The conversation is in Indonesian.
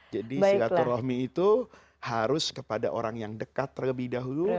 jadi silaturahmi itu harus kepada orang yang dekat terlebih dahulu